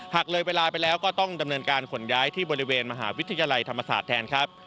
หากเลยเวลาไปแล้วก็ต้องดำเนินการขนย้ายที่บริเวณมหาวิทยาลัยธรรมศาสตร์แทนครับ